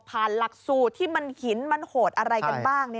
หลักสูตรที่มันหินมันโหดอะไรกันบ้าง